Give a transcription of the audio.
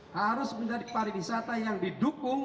harus menjadi pariwisata yang didukung